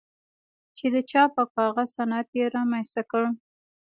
چې د چاپ او کاغذ صنعت یې رامنځته کړ.